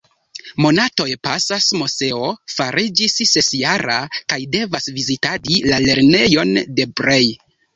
Monatoj pasas, Moseo fariĝis sesjara kaj devas vizitadi la lernejon de Brej.